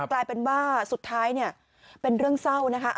กลายเป็นว่าสุดท้ายเนี่ยเป็นเรื่องเศร้านะคะ